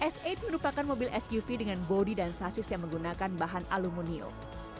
s delapan merupakan mobil suv dengan bodi dan sasis yang menggunakan bahan aluminium